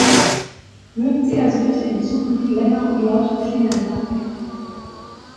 Würden Sie also bitte in Zukunft länger und lauter klingeln lassen!